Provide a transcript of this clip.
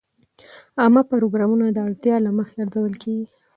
عامه پروګرامونه د اړتیا له مخې ارزول کېږي.